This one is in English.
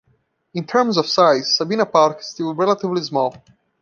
In terms of size, Sabina Park is still relatively small.